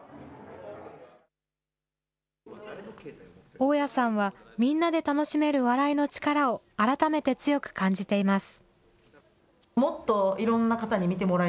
大屋さんは、みんなで楽しめる笑いの力を改めて強く感じています。